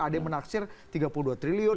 ada yang menaksir tiga puluh dua triliun